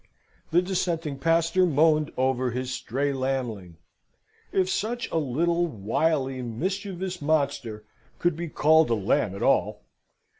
The Dissenting pastor moaned over his stray lambling if such a little, wily, mischievous monster could be called a lamb at all.